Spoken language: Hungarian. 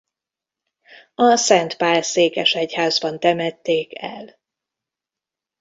A Szent Pál-székesegyházban temették el.